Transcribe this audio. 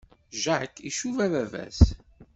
Jack icuba baba-s.